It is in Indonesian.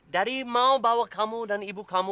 dari mau bawa kamu dan ibu kamu